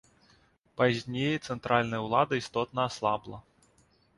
Пазней цэнтральная ўлада істотна аслабла.